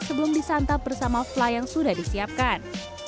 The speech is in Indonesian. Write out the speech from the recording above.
sebelum disantap bersama fly yang sudah disiapkan